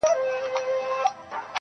خدایه چي د مرگ فتواوي ودروي نور.